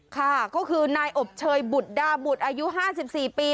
ค่ะก็คือนายอบเชยบุตรดาบุตรอายุห้าสิบสี่ปี